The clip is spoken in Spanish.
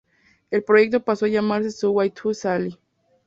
El proyecto paso a llamarse "Subway to Sally".